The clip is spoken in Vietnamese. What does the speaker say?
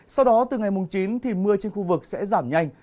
sau đó từ ngày mùng chín thì mưa trên khu vực sẽ giảm nhanh